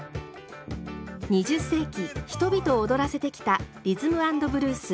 ２０世紀人々を踊らせてきたリズム・アンド・ブルース